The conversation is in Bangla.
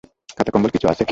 কাঁথা কম্বল কিছু আছে?